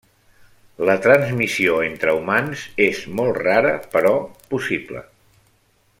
La transmissió entre humans és molt rara però possible.